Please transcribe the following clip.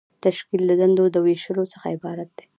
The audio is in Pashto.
تشکیل د دندو د ویشلو څخه عبارت دی.